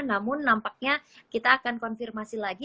namun nampaknya kita akan konfirmasi lagi